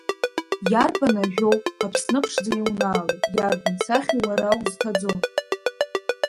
Иарбан ажәоу, Аԥсны ԥшӡа иунаало, иарбан сахьоу уара узҭаӡо?